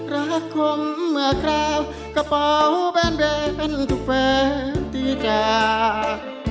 รักคงเหมาะคราวกระเป๋าแบนทุกแฟนที่จาก